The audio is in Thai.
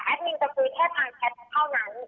แอดมินจะคุยแค่ทางแท็ตเท่านั้น